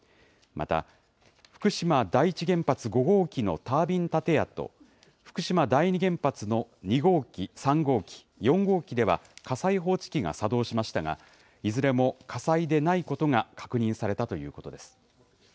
また、福島第一原発５号機のタービン建屋と、福島第二原発の２号機、３号機、４号機では火災報知器が作動しましたが、いずれも火災でないことが確認されたということです。